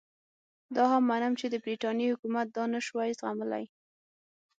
دا هم منم چې د برټانیې حکومت دا نه شوای زغملای.